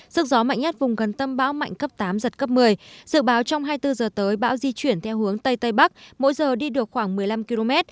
sức gió mạnh nhất vùng gần tâm bão mạnh cấp tám giật cấp một mươi dự báo trong hai mươi bốn h tới bão di chuyển theo hướng tây tây bắc mỗi giờ đi được khoảng một mươi năm km